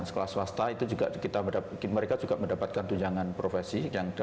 sekolah swasta itu juga kita mereka juga mendapatkan tunjangan profesi yang lulus